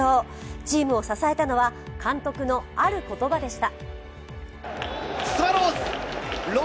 チームを支えたのは監督のある言葉でした。